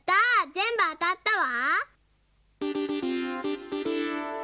ぜんぶあたったわ。